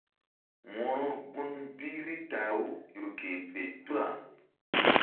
Wo̧ro gun bi Rita-aw ƴo ke fe tuna.